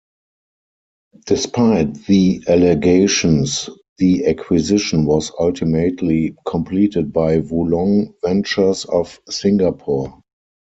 Despite the allegations the acquisition was ultimately completed by WoLong Ventures of Singapore.